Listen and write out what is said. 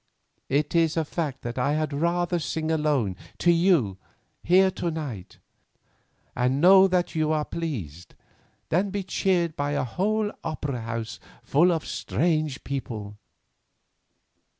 It is a fact that I had far rather sing alone to you here to night, and know that you are pleased, than be cheered by a whole opera house full of strange people."